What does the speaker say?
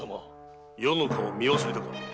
余の顔を見忘れたか？